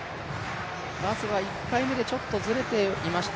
まずは１回目でちょっとずれていました